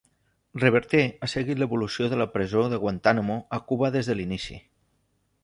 Reverter ha seguit l'evolució de la presó de Guantánamo a Cuba des de l'inici.